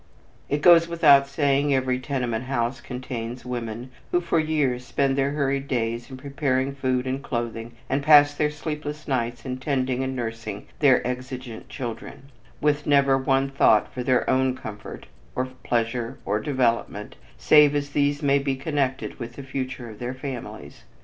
It goes without saying that every tenement house contains women who for years spend their hurried days in preparing food and clothing and pass their sleepless nights in tending and nursing their exigent children, with never one thought for their own comfort or pleasure or development save as these may be connected with the future of their families.